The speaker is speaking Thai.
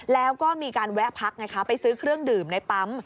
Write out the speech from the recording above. แล้วก็มีการแวะพักไงคะไปซื้อเครื่องดื่มในปั๊ม